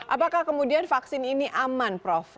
apakah kemudian vaksin ini aman prof